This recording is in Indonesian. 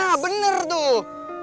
nah bener tuh